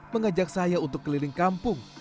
mengajak saya untuk keliling kampung